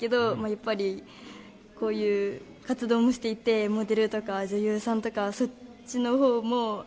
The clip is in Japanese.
やっぱりこういう活動もしていてモデルとか女優さんとかそっちのほうも憧れとか迷ったりはしていますね。